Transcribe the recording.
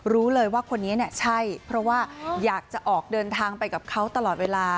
รู้เลยว่าคนนี้เนี่ยใช่เพราะว่าอยากจะออกเดินทางไปกับเขาตลอดเวลา